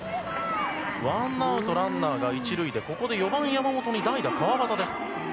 ワンアウト、ランナーが１塁でここで４番、山本に代打、川畑です。